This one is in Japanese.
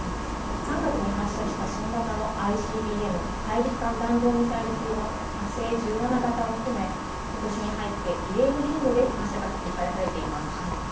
３月に発射した新型のＩＣＢＭ・大陸間弾道ミサイルの火星１７型を含めことしに入って異例の頻度で発射が繰り返されています。